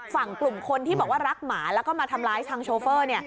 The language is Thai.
ฝั่งกลุ่มคนที่บอกว่ารักหมาแล้วก็มาทำร้ายทางโชเฟอร์